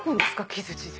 木づちで。